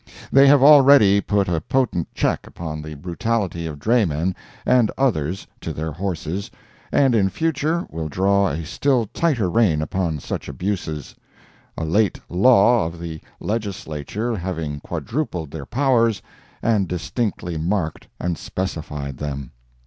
They have already put a potent check upon the brutality of draymen and others to their horses, and in future will draw a still tighter reign upon such abuses, a late law of the Legislature having quadrupled their powers, and distinctly marked and specified them.